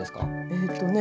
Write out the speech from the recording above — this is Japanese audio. えっとね